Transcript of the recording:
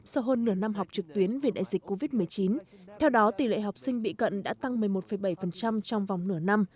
sau hơn nửa năm học trực tuyến vì đại dịch covid một mươi chín theo đó tỷ lệ học sinh bị cận đã tăng một mươi một bảy trong vòng nửa năm